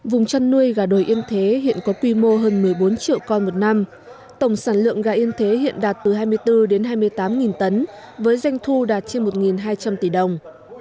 vùng chăn nuôi gà đồi yên thế hiện có quy mô hơn một mươi bốn triệu con một năm tổng sản lượng gà yên thế hiện đạt từ hai mươi bốn đến hai mươi tám tấn với doanh thu đạt trên một hai trăm linh tỷ đồng